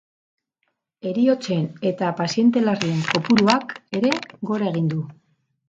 Heriotzen eta paziente larrien kopuruak ere gora egin du.